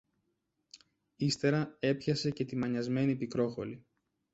Ύστερα έπιασε και τη μανιασμένη Πικρόχολη